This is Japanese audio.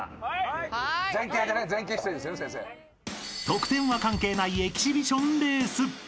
［得点は関係ないエキシビションレース］